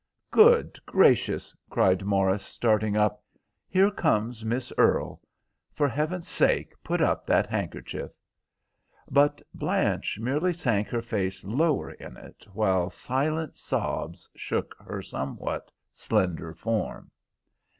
"Good gracious!" cried Morris, starting up, "here comes Miss Earle. For heaven's sake put up that handkerchief." But Blanche merely sank her face lower in it, while silent sobs shook her somewhat slender form.